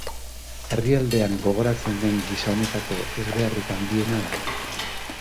Herrialdean gogoratzen den gisa honetako ezbeharrik handiena da.